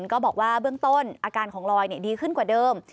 ก็บอกว่าเบื้องต้นอาการของลอยดีขึ้นกว่าเดิม